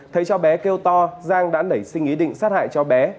thấy cháu bé kêu to giang đã nảy sinh ý định sát hại cho bé